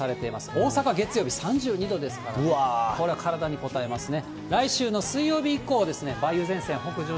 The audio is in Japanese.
大阪月曜日３２度ですから、これは体にこたえますね。